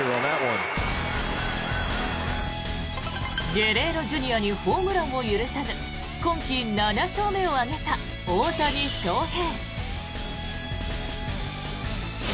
ゲレーロＪｒ．にホームランを許さず今季７勝目を挙げた大谷翔平。